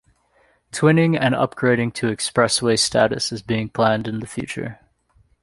Twinning and upgrading to expressway status is being planned in the future.